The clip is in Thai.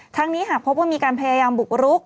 นี้หากพบว่ามีการพยายามบุกรุก